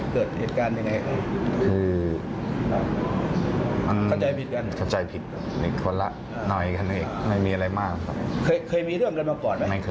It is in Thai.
คิดว่าคิดผิดหละหน่อยกันไม่มีอะไรมากครับ